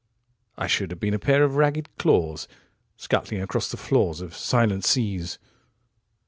...73I should have been a pair of ragged claws74Scuttling across the floors of silent seas.